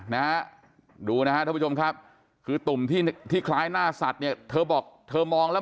นะดูนะครับทุกผู้ชมครับคือตุ่มที่คล้ายหน้าสัตว์เธอบอกเธอมองแล้ว